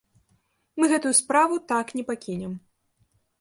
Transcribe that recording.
Мы гэтую справу так не пакінем.